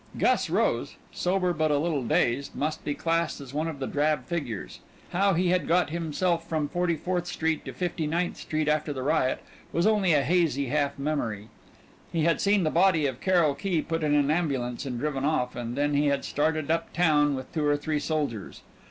Gus Rose, sober but a little dazed, must be classed as one of the drab figures. How he had got himself from Forty fourth Street to Fifty ninth Street after the riot was only a hazy half memory. He had seen the body of Carrol Key put in an ambulance and driven off, and then he had started up town with two or three soldiers.